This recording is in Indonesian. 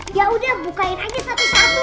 yaudah bukain aja satu satu